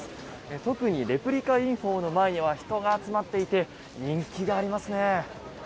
特にレプリカユニホームの前には人が集まっていて人気がありますね。